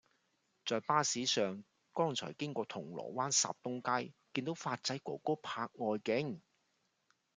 在巴士上剛才經過銅鑼灣霎東街見到發仔哥哥拍外景